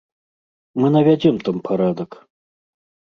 Мы навядзем там парадак.